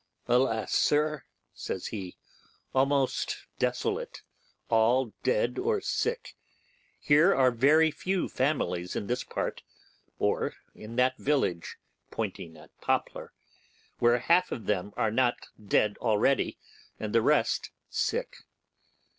'Alas, sir!' says he, 'almost desolate; all dead or sick. Here are very few families in this part, or in that village' (pointing at Poplar), 'where half of them are not dead already, and the rest sick.